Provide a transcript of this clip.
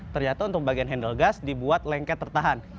ternyata untuk bagian handle gas dibuat lengket tertahan